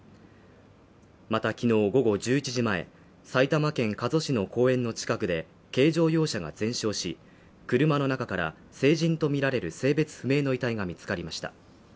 またきのう午後１１時前、埼玉県加須市の公園の近くで、軽乗用車が全焼し、車の中から成人とみられる性別不明の遺体が見つかりました。